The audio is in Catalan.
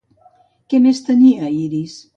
Què més tenia Iris?